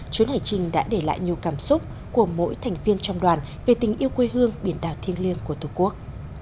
chuyến hải trình đã để lại nhiều cảm xúc của mỗi thành viên trong đoàn về tình yêu quê hương biển đảo thiêng liêng của tổ quốc